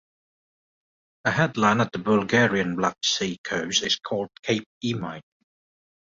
A headland at the Bulgarian Black Sea coast is called Cape Emine.